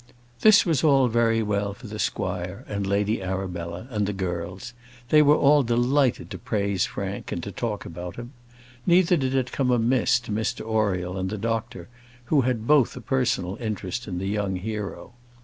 This was all very well for the squire, and Lady Arabella, and the girls. They were all delighted to praise Frank, and talk about him. Neither did it come amiss to Mr Oriel and the doctor, who had both a personal interest in the young hero.